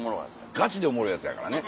ガチでおもろいやつやからね。